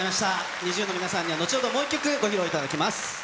ＮｉｚｉＵの皆さんには後ほど、もう１曲ご披露いただきます。